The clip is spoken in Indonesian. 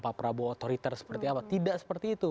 pak prabowo otoriter seperti apa tidak seperti itu